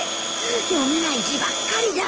読めない字ばっかりだ。